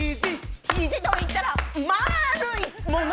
肘といったらまあるいもの。